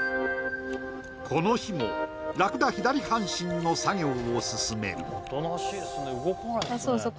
この日もラクダ左半身の作業を進めるあっそうそう